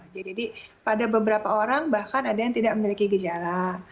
jadi pada beberapa orang bahkan ada yang tidak memiliki gejala